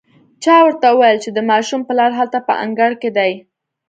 چا ورته وويل چې د ماشوم پلار هلته په انګړ کې دی.